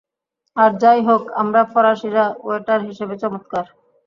আর যাই হউক, আমরা ফরাসিরা ওয়েটার হিসেবে চমৎকার।